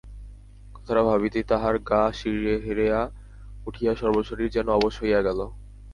কথাটা ভাবিতেই তাহার গা শিহরিয়া উঠিয়া সর্বশরীর যেন অবশ হইয়া গেল।